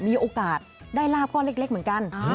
มีโอกาสได้ลาบก้อนเล็กเหมือนกัน